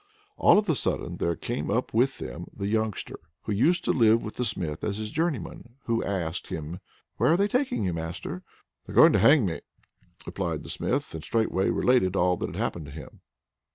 All of a sudden there came up with them the youngster who used to live with the Smith as his journeyman, who asked him: "Where are they taking you, master?" "They're going to hang me," replied the Smith, and straightway related all that had happened to him.